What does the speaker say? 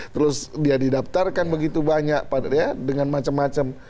terus dia didaftarkan begitu banyak dengan macam macam